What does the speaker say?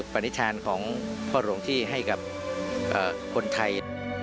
นิชาญของพ่อหลวงที่ให้กับคนไทย